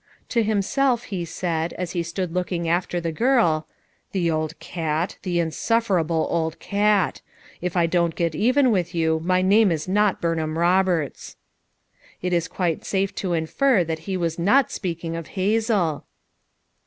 To himself he said, as he stood looking after the girl: "The old cat! the insufferable old cat I if I don't get even with you my name is not Burnham Roberts/' It is quite safe to infer that he was not speaking of Hazel!